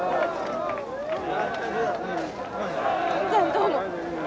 どうも。